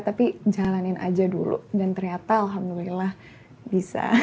tapi jalanin aja dulu dan ternyata alhamdulillah bisa